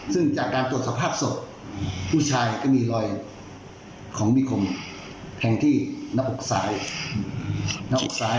ซึ่งจากการจบสภาพศพผู้ชายก็มีรอยของมิคมแข่งที่นอกทราย